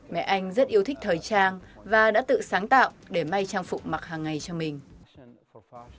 mẹ anh rất yêu thích thời trang và đã tự sáng tạo để may trang phục mặc hàng ngày cho mình